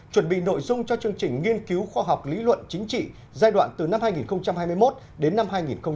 chuẩn bị nội dung cho chương trình nghiên cứu khoa học lý luận chính trị giai đoạn từ năm hai nghìn hai mươi một đến năm hai nghìn hai mươi năm